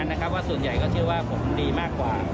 ก็คุณยืนยันว่าส่วนใหญ่เค้าเชื่อว่าผลดีมากกว่า